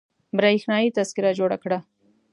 برېښنايي تذکره جوړه کړه